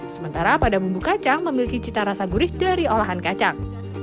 sementara pada bumbu kacang memiliki cita rasa gurih dari olahan kacang